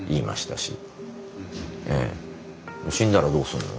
「死んだらどうすんの？」